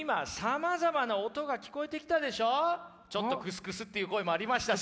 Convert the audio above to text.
ちょっとクスクスっていう声もありましたし。